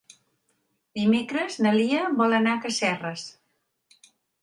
Dimecres na Lia vol anar a Casserres.